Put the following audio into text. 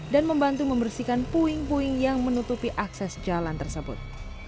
dan membantu membersihkan puing puing yang menutupi akses jalan tersebut